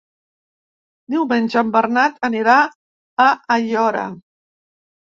Diumenge en Bernat anirà a Aiora.